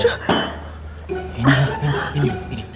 aduh ini ini